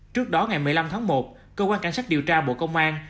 trước đó ngày một mươi năm tháng một cơ quan cảnh sát điều tra bộ công an